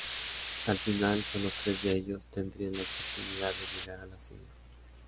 Al final, sólo tres de ellos tendrían la oportunidad de llegar a la cima.